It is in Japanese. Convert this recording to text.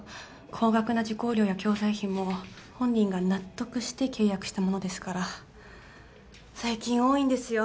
高額な受講料や教材費も本人が納得して契約したものですから最近多いんですよ